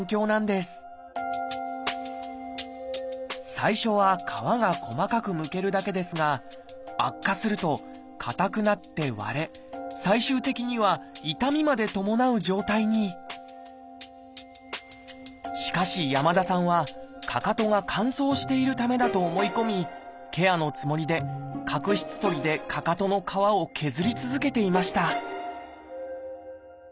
最初は皮が細かくむけるだけですが悪化するとかたくなって割れ最終的には痛みまで伴う状態にしかし山田さんはかかとが乾燥しているためだと思い込みケアのつもりで角質とりでかかとの皮を削り続けていました